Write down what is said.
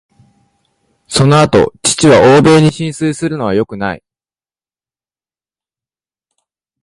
その後、父は「あまり欧米に心酔するのはよくない」